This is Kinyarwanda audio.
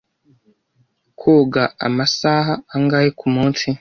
Koga amasaha angahe kumunsi?